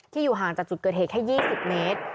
อยู่ห่างจากจุดเกิดเหตุแค่๒๐เมตร